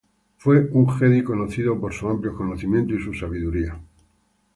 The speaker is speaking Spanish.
Fue un jedi conocido por sus amplios conocimientos y su sabiduría.